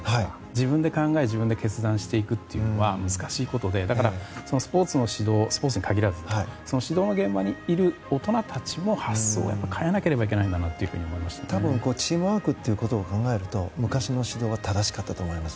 自分で考え自分で決断していくというのは難しいことでだからスポーツの指導スポーツに限らず指導の現場にいる大人たちも発想を変えなきゃいけないんだなと多分チームワークということを考えると昔の指導は正しかったと思います。